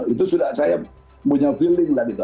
itu sudah saya punya feeling lah gitu